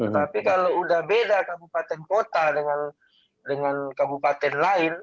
tapi kalau udah beda kabupaten kota dengan kabupaten lain